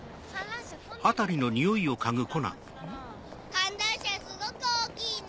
・観覧車すごく大きいね。